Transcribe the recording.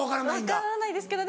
分からないですけど